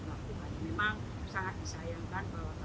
kalau kali ini satu negara anggota pilihan keanggotaan palestina